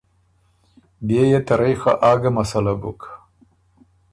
بيې يې ته رئ خه آ ګۀ مسلۀ بُک۔